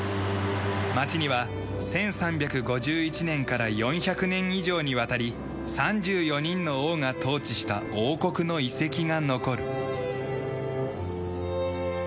町には１３５１年から４００年以上にわたり３４人の王が統治した王国の遺跡が残る。